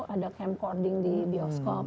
ada camcording di bioskop